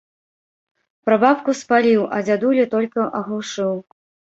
Прабабку спаліў, а дзядулю толькі аглушыў.